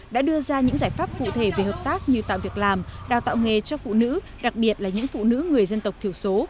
đã đưa ra những giải pháp cụ thể về hợp tác như tạo việc làm đào tạo nghề cho phụ nữ đặc biệt là những phụ nữ người dân tộc thiểu số